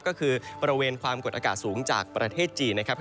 ก็คือบริเวณความกดอากาศสูงจากประเทศจีนนะครับ